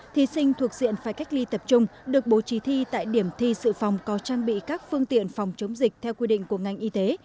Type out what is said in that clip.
thí sinh thuộc diện phải cách ly tập trung được bố trí thi tại điểm thi sự phòng có trang bị các phương tiện phòng chống dịch theo quy định của ngành y tế